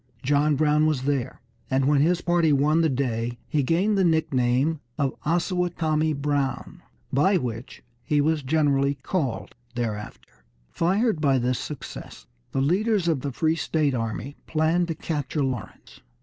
John Brown was there, and when his party won the day he gained the nickname of "Osawatomie Brown," by which he was generally called thereafter. Fired by this success, the leaders of the free state army planned to capture Lawrence.